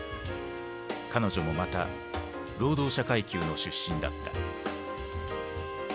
彼女もまた労働者階級の出身だった。